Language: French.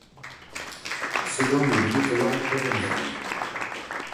Selon le Lt-Col.